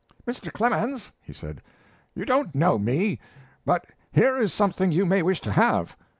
"Mr. Clemens," he said, "you don't know me, but here is something you may wish to have.